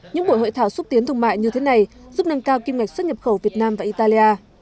những buổi hội thảo xúc tiến thương mại như thế này giúp nâng cao kim ngạch xuất nhập khẩu việt nam và italia